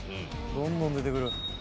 どんどん出てくる。